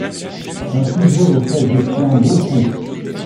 C’est un sujet auquel je tiens beaucoup.